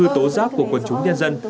từ tố giáp của quân chúng nhân dân